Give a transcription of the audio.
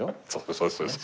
そうですそうです。